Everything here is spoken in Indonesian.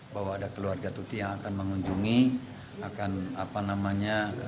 bahwa ada keluarga tuti yang akan mengunjungi akan apa namanya